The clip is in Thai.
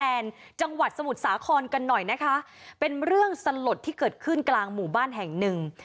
จังหวัดสมุทรสาครกันหน่อยนะคะเป็นเรื่องสลดที่เกิดขึ้นกลางหมู่บ้านแห่งหนึ่ง